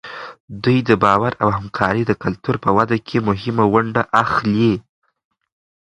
دوی د باور او همکارۍ د کلتور په وده کې مهمه ونډه اخلي.